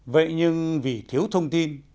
vậy nhưng vì thiếu thông tin